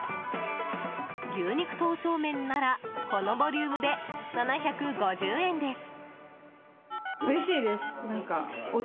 牛肉刀削麺ならこのボリュームで７５０円です。